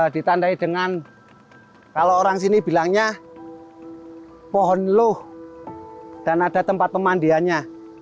ditandai dengan kalau orang sini bilangnya pohon luh dan ada tempat pemandiannya